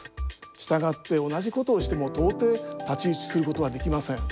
したがって同じことをしても到底太刀打ちすることはできません。